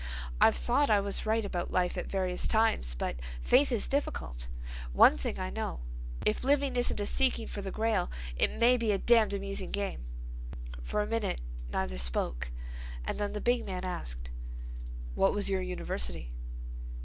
I've thought I was right about life at various times, but faith is difficult. One thing I know. If living isn't a seeking for the grail it may be a damned amusing game." For a minute neither spoke and then the big man asked: "What was your university?"